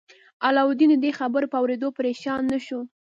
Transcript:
علاوالدین د دې خبر په اوریدو پریشان نه شو.